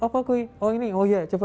oh pokoknya oh ini oh iya coba